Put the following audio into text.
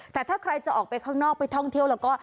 แต่ถ้าใครจะออกไปข้างนอกไปท่องเที่ยวแล้วก็